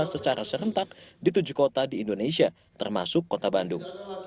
secara serentak di tujuh kota di indonesia termasuk kota bandung